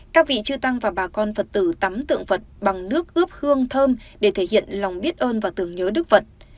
các vị trư tăng và bà con phật tử tắm tượng vật bằng nước ướp hương thơm để thể hiện lòng biết ơn và tưởng nhớ đức phật